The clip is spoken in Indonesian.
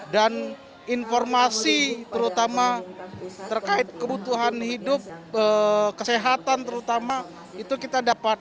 dan informasi terutama terkait kebutuhan hidup kesehatan terutama itu kita dapat